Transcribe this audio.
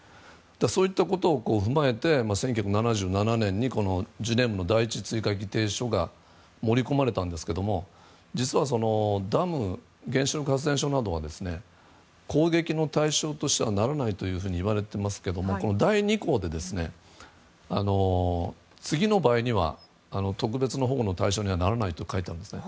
そういったことを踏まえて１９７７年にジュネーブの第一追加議定書が盛り込まれたんですが実はダム、原子力発電所などは攻撃の対象としてはならないとはいわれてますが第２項で、次の場合には特別な保護の対象にはならないと書いてあるんですね。